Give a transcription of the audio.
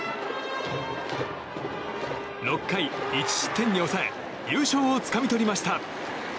６回１失点に抑え優勝をつかみ取りました。